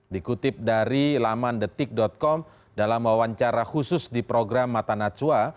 dikutip dari lamandetik com dalam wawancara khusus di program matanacua